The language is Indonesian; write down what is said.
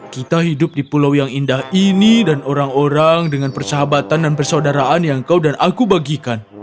kita hidup di pulau yang indah ini dan orang orang dengan persahabatan dan persaudaraan yang kau dan aku bagikan